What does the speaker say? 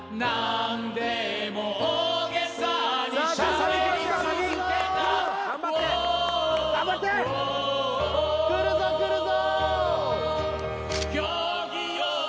サビきますよサビＯｈｏｈ頑張ってくるぞくるぞ！